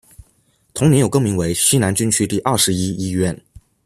同年又更名为西南军区第二十一医院。